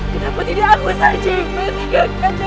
kenapa tidak aku saja yang meninggalkannya